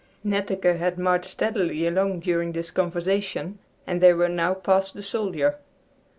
Netteke had marched steadily along during this conversation, and they were now past the soldier.